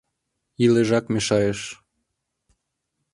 Илежак мешайыш.